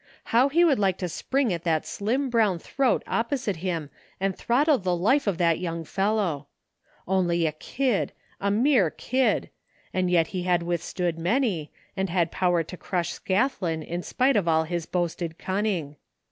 How he would like to spring at that slim brown throat oppo site him and throttle the life from the young fellow. Only ^a kid, — a, mere kid, — ^and yet be had withstood many, and had power to crush Scathlin in spite of all his boasted cunning.